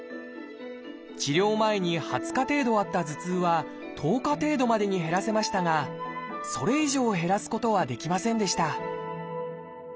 治療前に２０日程度あった頭痛は１０日程度までに減らせましたがそれ以上減らすことはできませんでした